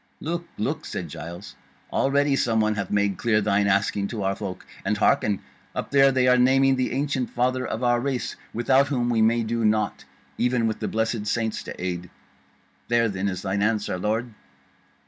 "Look, look," said Giles, "already some one hath made clear thine asking to our folk; and hearken! up there they are naming the ancient Father of our Race, without whom we may do nought, even with the blessed saints to aid. There then is thine answer, lord."